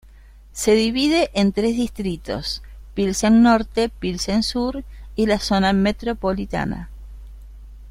Se divide en tres distritos, Pilsen Norte, Pilsen Sur y la zona Metropolitana.